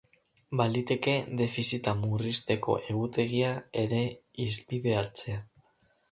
Baliteke defizita murrizteko egutegia ere hizpide hartzea.